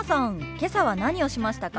今朝は何をしましたか？